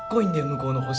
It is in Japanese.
向こうの星。